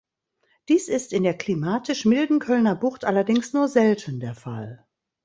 Dies ist in der klimatisch milden Kölner Bucht allerdings nur selten der Fall.